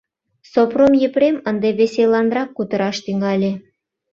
Сопром Епрем ынде веселанрак кутыраш тӱҥале.